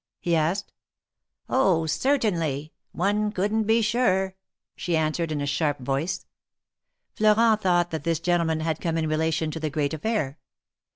he asked. Oh ! certainly. One couldn^t be surer !" she answered, in a sharp voice. Florent thought that this gentleman had come in rela tion to the great aifair.